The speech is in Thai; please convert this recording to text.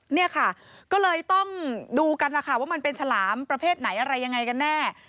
เนี่ยค่ะก็เลยต้องดูกันล่ะค่ะว่ามันเป็นฉลามประเภทไหนอะไรยังไงกันแน่